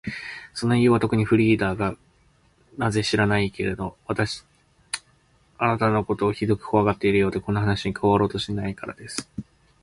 その理由はとくに、フリーダがなぜか知らないけれど、あなたのことをひどくこわがっているようで、この話に加わろうとしないからです。